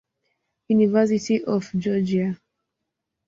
University of Georgia.